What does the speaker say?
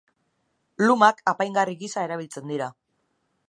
Lumak apaingarri gisa erabiltzen dira.